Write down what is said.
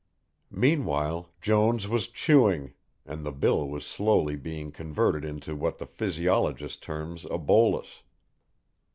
Meanwhile, Jones was chewing, and the bill was slowly being converted into what the physiologist terms a bolus.